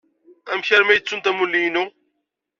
Amek armi ay ttunt amulli-inu?